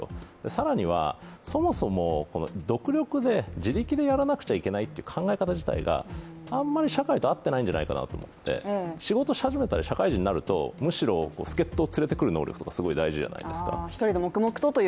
更には、そもそも独力で、自力でやらなきゃいけないという考え方が、あんまり社会と合っていないんじゃないかと思っていて仕事し始めて社会人になると、むしろ助っ人を連れてくる能力とか、大事じゃないですか。